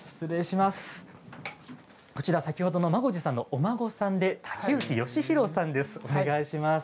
先ほどの孫次さんのお孫さんで竹内義博さんです。